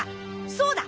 そうだ！